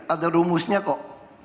ada rumusnya kok